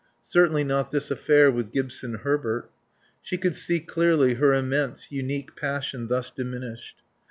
Certainly not this affair with Gibson Herbert. She could see clearly her immense, unique passion thus diminished.